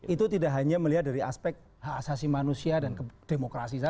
itu tidak hanya melihat dari aspek hak asasi manusia dan demokrasi saja